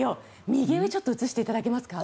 右上を映していただけますか？